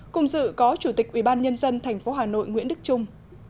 cùng dự có chủ tịch ubnd tp hà nội nguyễn đức trung